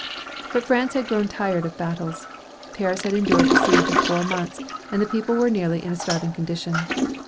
But France had grown tired of battles. Paris had endured a siege of four months, and the people were nearly in a starving condition.